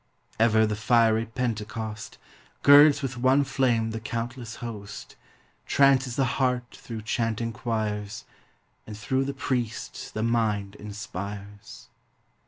Ever the fiery Pentecost Girds with one Same the countless host, Trances the heart through chanting choirs, And through the priest the mind inspires.